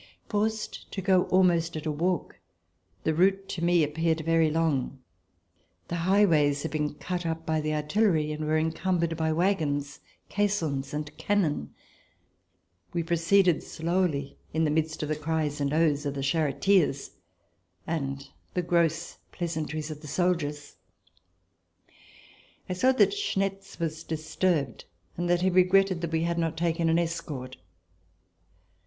Forced to go almost at a walk, the route to me ap peared very long. The highways had been cut up by the artillery and were encumbered by wagons, caissons and cannon. We proceeded slowly, in the midst of the cries and the oaths of the charrctiers and the gross pleasantries of the soldiers. I saw that Schnetz was disturbed and that he regretted that we had not taken an escort.